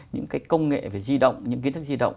những cái công nghệ về di động những kiến thức di động